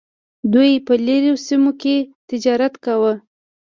دوی په لرې سیمو کې تجارت کاوه.